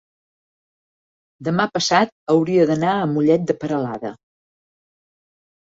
demà passat hauria d'anar a Mollet de Peralada.